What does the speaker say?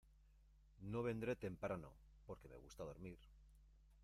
No vendré temprano porque me gusta dormir.